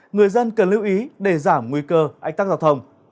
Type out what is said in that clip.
người dân cần lưu ý để giảm nguy cơ ách tắc giao thông